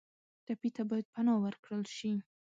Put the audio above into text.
ټپي ته باید پناه ورکړل شي.